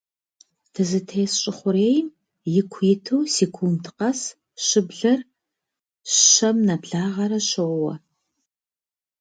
Дызытес Щӏы Хъурейм, ику иту, секунд къэс щыблэр щэм нэблагъэрэ щоуэ.